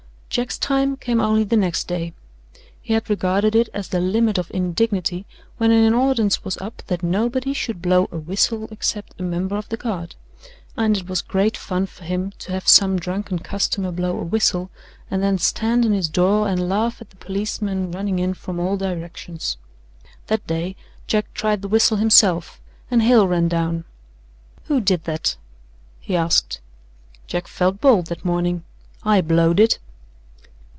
Jack's time came only the next day. He had regarded it as the limit of indignity when an ordinance was up that nobody should blow a whistle except a member of the Guard, and it was great fun for him to have some drunken customer blow a whistle and then stand in his door and laugh at the policemen running in from all directions. That day Jack tried the whistle himself and Hale ran down. "Who did that?" he asked. Jack felt bold that morning. "I blowed it."